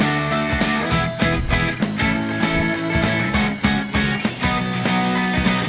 วิทยาลัยภาษีสถานการณ์จิตกรุงเทพฯได้รับโปรโลทิศที่ออกตามวันนี้